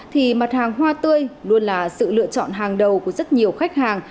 thì mặt hàng hoa tươi luôn là sự lựa chọn hàng đầu của rất nhiều khách hàng